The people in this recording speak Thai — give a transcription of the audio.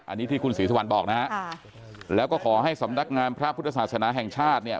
อันนี้ที่คุณศรีสุวรรณบอกนะฮะแล้วก็ขอให้สำนักงานพระพุทธศาสนาแห่งชาติเนี่ย